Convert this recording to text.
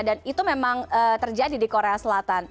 dan itu memang terjadi di korea selatan